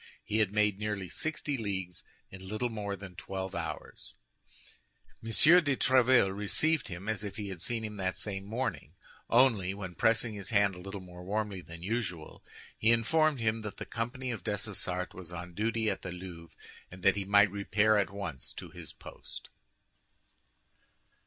He had made nearly sixty leagues in little more than twelve hours. M. de Tréville received him as if he had seen him that same morning; only, when pressing his hand a little more warmly than usual, he informed him that the company of Dessessart was on duty at the Louvre, and that he might repair at once to his post.